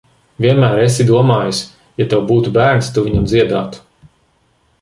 Vienmēr esi domājusi, ja tev būtu bērns, tu viņam dziedātu.